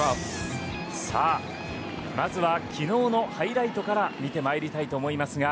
さあ、まずは昨日のハイライトから見てまいりたいと思います。